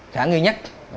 khả nghi nhất